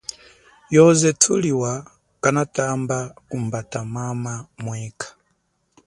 Yoze thuliwa kanatambe kumbata mama mwekha.